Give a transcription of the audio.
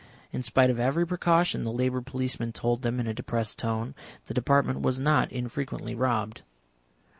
In spite of every precaution, the Labour policeman told them in a depressed tone, the Department was not infrequently robbed.